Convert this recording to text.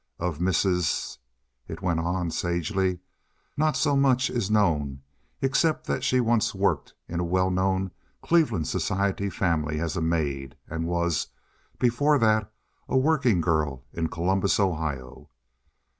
"Of Mrs. ——" it went on, sagely, "not so much is known, except that she once worked in a well known Cleveland society family as a maid and was, before that, a working girl in Columbus, Ohio.